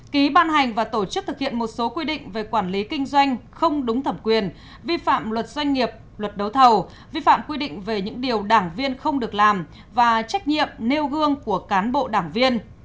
ký ban hành và tổ chức thực hiện một số quy định về quản lý kinh doanh không đúng thẩm quyền vi phạm luật doanh nghiệp luật đấu thầu vi phạm quy định về những điều đảng viên không được làm và trách nhiệm nêu gương của cán bộ đảng viên